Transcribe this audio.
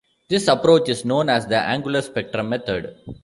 This approach is known as the Angular spectrum method.